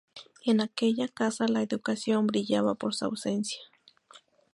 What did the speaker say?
En aquella casa la educación brillaba por su ausencia